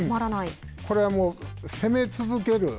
これは攻め続ける。